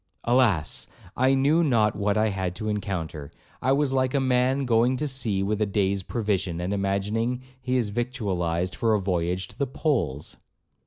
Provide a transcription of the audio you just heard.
Alas! I knew not what I had to encounter. I was like a man going to sea with a day's provision, and imagining he is victualled for a voyage to the poles.